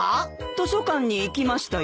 図書館に行きましたよ。